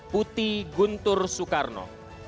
putri guntur soekarno